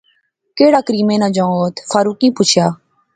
کیڑا کریمے نا جنگت؟ فاروقیں پچھیا